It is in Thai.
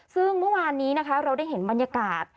ซึ่งเมื่อวานนี้นะคะเราได้เห็นบรรยากาศ